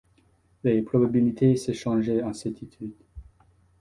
Les probabilités se changeaient en certitudes.